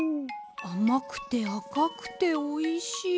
あまくてあかくておいしい。